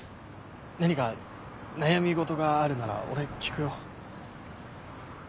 何か悩み事があるなら俺聞くよ。